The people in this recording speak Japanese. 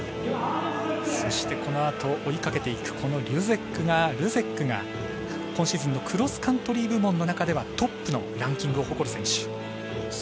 そして、このあと追いかけていくルゼックが今シーズンのクロスカントリー部門の中ではトップのランキングを誇る選手。